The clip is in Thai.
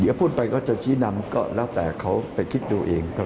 เดี๋ยวพูดไปเขาจะชี้นำแล้วแต่เขาไปคิดดูเองก็ล่ะกัน